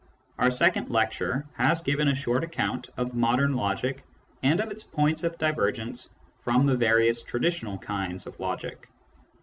Our second lecture has given a short account of modern logic and of its points of divergence from the various traditional kinds of logic.